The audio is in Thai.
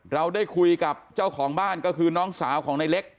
เราได้คุยกับเจ้าของบ้านก็คือน้องสาวของในเล็ก